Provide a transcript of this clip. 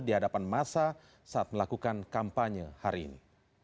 di hadapan masa saat melakukan kampanye hari ini